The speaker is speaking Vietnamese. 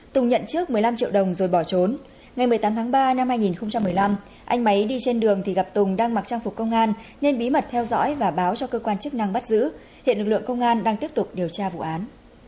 tùng nhận trước một mươi năm triệu đồng rồi bỏ trốn ngày một mươi tám tháng ba năm hai nghìn một mươi năm anh máy đi trên đường thì gặp tùng đang mặc trang phục công an nên bí mật theo dõi và báo cho cơ quan chức năng bắt giữ hiện lực lượng công an đang tiếp tục điều tra vụ án